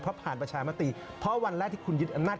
เพราะผ่านประชามติเพราะวันแรกที่คุณยึดอำนาจ